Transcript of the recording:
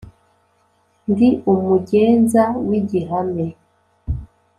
Ndi umugenza w'igihame